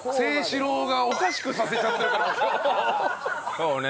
そうね。